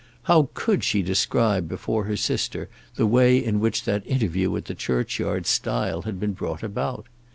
How could she describe before her sister the way in which that interview at the churchyard stile had been brought about?